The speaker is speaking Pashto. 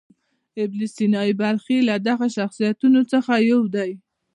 ابن سینا بلخي له دغو شخصیتونو څخه یو دی.